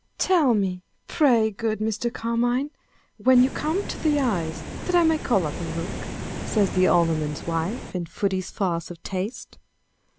" Tell me, pray good Mr. Carmine, when you come to the eyes, that I may call up a look," says the Alderman's wife, in Foote's farce of Taste.